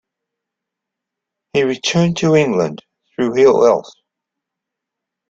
He returned to England through ill health.